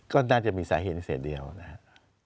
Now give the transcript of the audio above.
ก็น่าจะมีสาเหตุเสียเดียวนะครับ